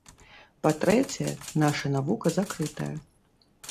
Па-трэцяе, наша навука закрытая.